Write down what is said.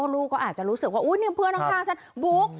ลูกก็อาจจะรู้สึกว่าอุ๊ยเนี่ยเพื่อนข้างฉันบุ๊ก